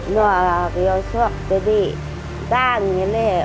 nói là bây giờ sống cái đệ đang như thế ưu ấm nương